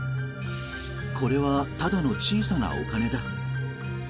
これはただの小さなお金だ。